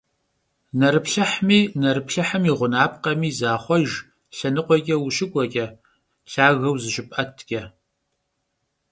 Nerıplhıhmi, nerıplhıhım yi ğunapkhemi zaxhuejj lhenıkhueç'e vuşık'ueç'e, lhageu zışıp'etç'e.